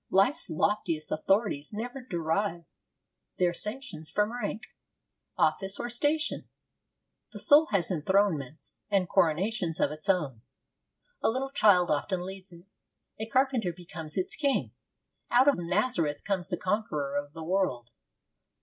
Life's loftiest authorities never derive their sanctions from rank, office, or station. The soul has enthronements and coronations of its own. A little child often leads it. A Carpenter becomes its king. Out of Nazareth comes the Conqueror of the World.